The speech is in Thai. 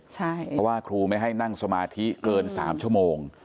เพราะว่าครูไม่ให้นั่งสมาธิเกิน๓ชั่วโมง